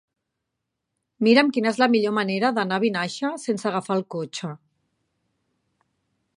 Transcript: Mira'm quina és la millor manera d'anar a Vinaixa sense agafar el cotxe.